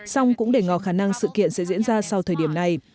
xong cũng để ngò khả năng sự kiện sẽ diễn ra sau thời điểm này